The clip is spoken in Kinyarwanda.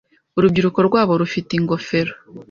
Urubyiruko rwabo rufite ingofero